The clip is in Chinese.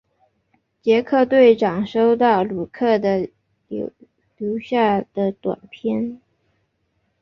杰克队长收到鲁克的留下来的短片。